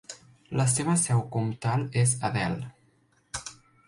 La seva seu comtal és Adel.